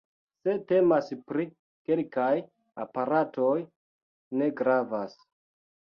Se temas pri kelkaj aparatoj, ne gravas.